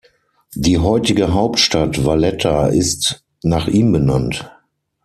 Die heutige Hauptstadt Valletta ist nach ihm benannt.